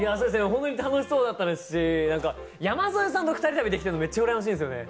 本当に楽しそうでしたし、山添さんと二人旅できてるのめっちゃうらやましいんですよね。